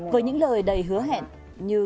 với những lời đầy hứa hẹn như